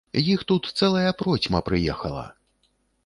Іх тут цэлая процьма праехала.